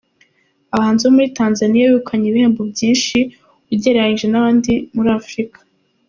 Abahanzi bo muri Tanzania begukanye ibihembo byinshi ugereranyije n’abandi muri Afurika.